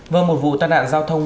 vâng một vụ tai nạn giao thông